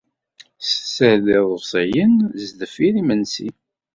Tessared iḍebsiyen sdeffir yimensi.